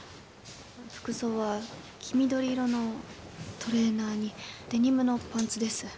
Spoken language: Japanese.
服装は黄緑色のトレーナーにデニムのパンツです